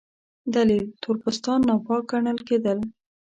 دلیل: تور پوستان ناپاک ګڼل کېدل.